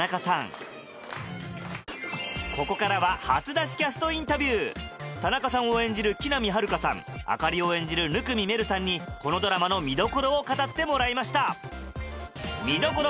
ここからは田中さんを演じる木南晴夏さん朱里を演じる生見愛瑠さんにこのドラマの見どころを語ってもらいました見どころ